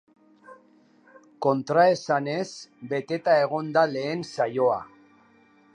Kontraesanez beteta egon da lehen saioa.